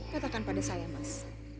katakan pada saya mas